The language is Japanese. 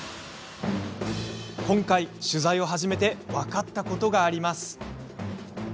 今回、取材を始めて分かったことがあります。